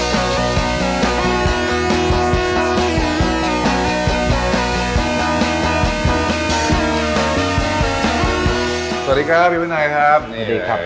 สวัสดีครับพี่วินัยครับสวัสดีครับ